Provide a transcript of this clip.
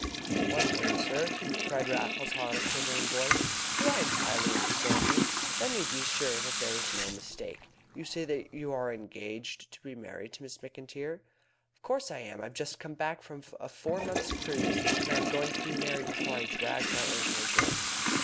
"One word, sir," cried Raffles Haw in a quivering voice. "Do I entirely understand you? Let me be sure that there is no mistake. You say that you are engaged to be married to Miss McIntyre?" "Of course I am. I've just come back from a four months' cruise, and I am going to be married before I drag my anchor again."